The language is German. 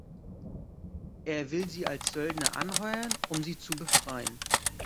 Er will sie als Söldner anheuern, um sie zu befreien.